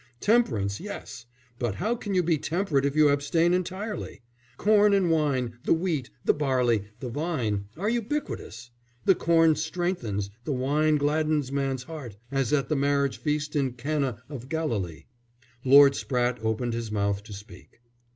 Temperance, yes! But how can you be temperate if you abstain entirely? Corn and wine, the wheat, the barley, the vine, are ubiquitous; the corn strengthens, the wine gladdens man's heart, as at the marriage feast in Cana of Galilee." Lord Spratte opened his mouth to speak.